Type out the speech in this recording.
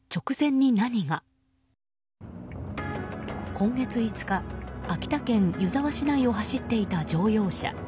今月５日、秋田県湯沢市内を走っていた乗用車。